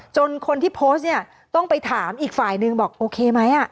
คนที่โพสต์เนี่ยต้องไปถามอีกฝ่ายนึงบอกโอเคไหม